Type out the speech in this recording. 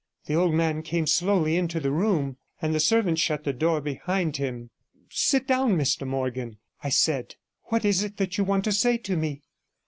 The old man came slowly into the room, and the servant shut the door behind him. 'Sit down, Mr Morgan,' I said; 'what is it that you want to say to me?'